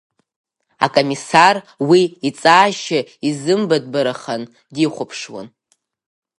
Акомиссар уи иҵаашьа изымбатәбарахан, дихәаԥшуан.